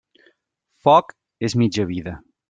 Foc és mitja vida.